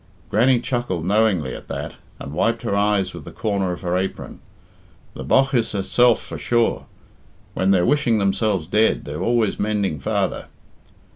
Grannie chuckled knowingly at that, and wiped her eyes with the corner of her apron. "The bogh is herself, for sure. When they're wishing themselves dead they're always mending father!